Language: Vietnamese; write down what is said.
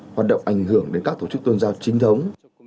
hoạt động ảnh hưởng đến các tổ chức tôn giáo trinh thống